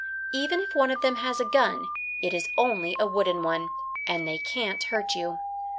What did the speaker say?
Even if one of them has a gun, it is only a wooden one, and they can't hurt you.